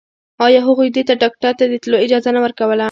آيا هغوی دې ته ډاکتر ته د تلو اجازه نه ورکوله.